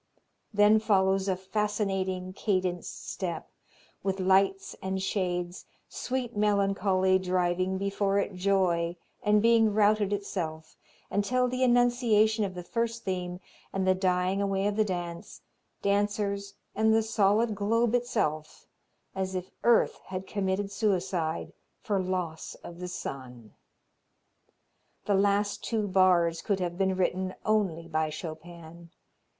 Then follows a fascinating, cadenced step, with lights and shades, sweet melancholy driving before it joy and being routed itself, until the annunciation of the first theme and the dying away of the dance, dancers and the solid globe itself, as if earth had committed suicide for loss of the sun. The last two bars could have been written only by Chopin.